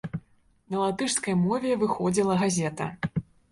На латышскай мове выходзіла газета.